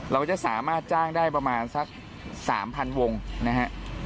เราจะสามารถจ้างได้ประมาณสัก๓๐๐วงนะฮะ